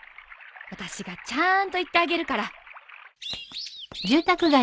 私がちゃんと言ってあげるから。